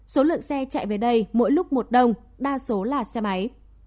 số lượng xe chạy về đây mỗi lúc một đồng đa số là xe máy